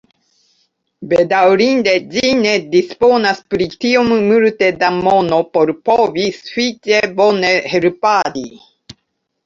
Bedaŭrinde, ĝi ne disponas pri tiom multe da mono por povi sufiĉe bone helpadi.